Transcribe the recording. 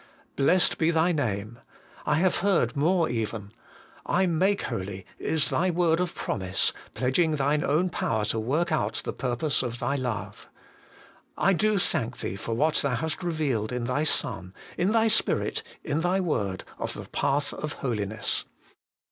Blessed be Thy name ! I have heard more even :' I make holy,' is Thy word of promise, pledging Thine own Power to work out the purpose of Thy Love. I do thank Thee for what Thou hast revealed in Thy Son, in Thy Spirit, in Thy Word, of the path of Holiness.